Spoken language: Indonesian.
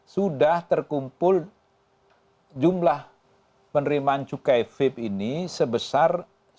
sudah terkumpul jumlah penerimaan cukai vape ini sebesar